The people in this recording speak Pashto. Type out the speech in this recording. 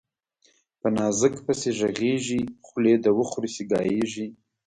په نازک پسي ږغېږي، خولې ده وخوري سي ګايږي